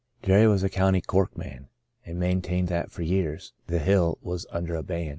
Jerry was a County Cork man, and maintained that for years the "Hill" was under a ban.